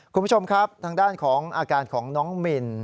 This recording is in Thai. คุณผู้ชมครับทางด้านของอาการของน้องมิน